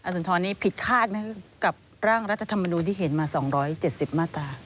สุนทรนี่ผิดคาดไหมกับร่างรัฐธรรมนูลที่เห็นมา๒๗๐มาตรา